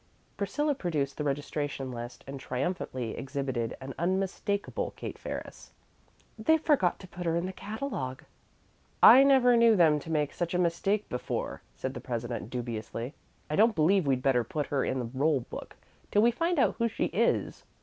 Priscilla produced the registration list, and triumphantly exhibited an unmistakable Kate Ferris. "They forgot to put her in the catalogue." "I never knew them to make such a mistake before," said the president, dubiously. "I don't believe we'd better put her in the roll book till we find out who she is."